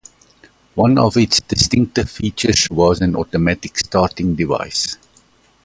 One of its distinctive features was an automatic starting device.